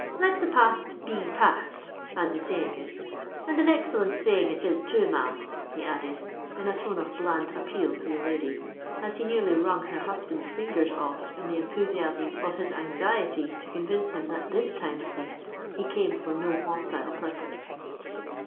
Let the past be past, as the saying is: and an excellent saying it is too, ma'am," he added, in a tone of bland appeal to the lady, as he nearly wrung her husband's fingers off in the enthusiasm of his anxiety to convince him that this time at least he came for no hostile purpose.